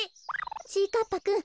ちぃかっぱくん